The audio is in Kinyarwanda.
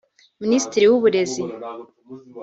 Minisitiri w’Uburezi